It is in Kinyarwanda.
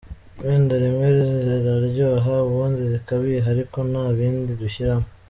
Wenda rimwe ziraryoha ubundi zikabiha ariko nta bindi dushyiramo.